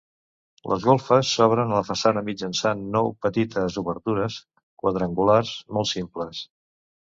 Les golfes s'obren a la façana mitjançant nou petites obertures quadrangulars molt simples.